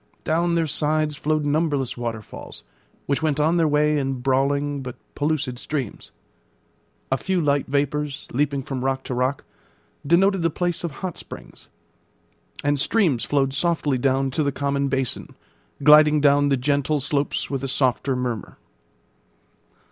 Down their sides flowed numberless waterfalls, which went on their way in brawling but pellucid streams. A few light vapours, leaping from rock to rock, denoted the place of hot springs; and streams flowed softly down to the common basin, gliding down the gentle slopes with a softer murmur.